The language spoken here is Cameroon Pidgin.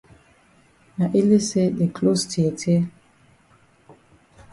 Na ele say the closs tear tear.